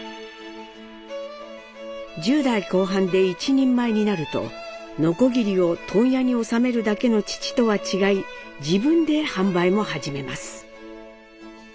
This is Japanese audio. １０代後半で一人前になるとノコギリを問屋に納めるだけの父とは違い自分で販売も始めます。